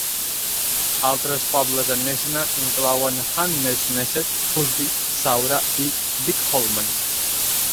Altres pobles a Nesna inclouen Handnesneset, Husby, Saura, i Vikholmen.